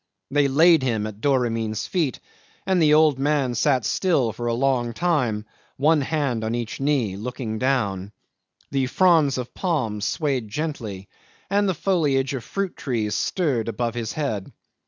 They laid him at Doramin's feet, and the old man sat still for a long time, one hand on each knee, looking down. The fronds of palms swayed gently, and the foliage of fruit trees stirred above his head.